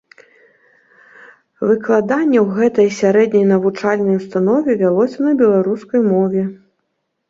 Выкладанне ў гэтай сярэдняй навучальнай установе вялося на беларускай мове.